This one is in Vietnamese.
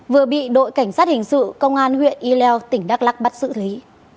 vừa bị đội cảnh sát hình sự công an huyện y lèo tỉnh đắk lắc bắt xử lý